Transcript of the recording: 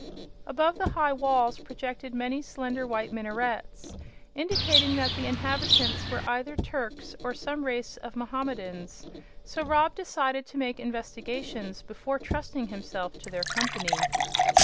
Above the high walls projected many slender, white minarets, indicating that the inhabitants were either Turks or some race of Mohammedans; so Rob decided to make investigations before trusting himself to their company.